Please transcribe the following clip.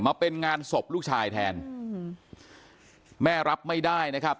มาเป็นงานศพลูกชายแทนอืมแม่รับไม่ได้นะครับ